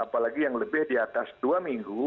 apalagi yang lebih di atas dua minggu